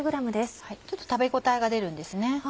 ちょっと食べ応えが出るんですね。